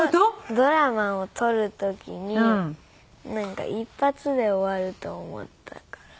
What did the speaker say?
ドラマを撮る時になんか一発で終わると思ったから。